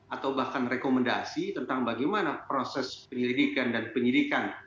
atau bahkan rekomendasi tentang bagaimana proses penyelidikan dan penyidikan